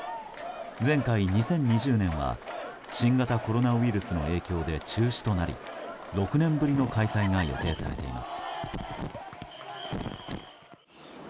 前回、２０２０年は新型コロナウイルスの影響で中止となり６年ぶりの開催が予定されています。